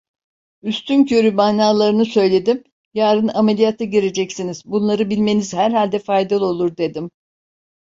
Üstünkörü manalarını söyledim, "Yarın ameliyata gireceksiniz, bunları bilmeniz herhalde faydalı olur!" dedim.